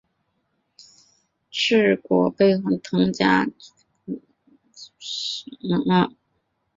翅果杯冠藤是夹竹桃科鹅绒藤属的植物。